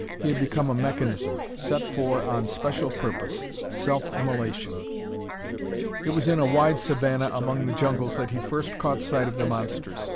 He had become a mechanism, set for on special purpose self immolation. It was in a wide savannah among the jungles that he first caught sight of the monsters.